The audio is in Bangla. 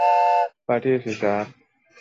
পাঠিয়েছি, স্যার।